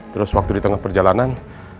terus waktu di tengah perjalanan